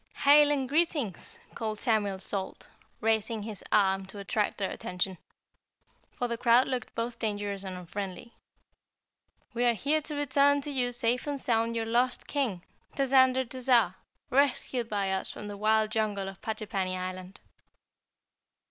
"Hail and greetings!" called Samuel Salt, raising his arm to attract their attention, for the crowd looked both dangerous and unfriendly. "We are here to return to you safe and sound your lost King, Tazander Tazah, rescued by us from the wild jungle of Patrippany Island."